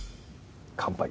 乾杯。